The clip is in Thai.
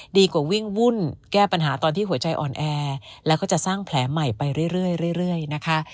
ดีกว่าวิ่งวุ่นแก้ปัญหาตอนที่หัวใจอ่อนแอแล้วก็จะสร้างแผลใหม่ไปเรื่อยนะคะ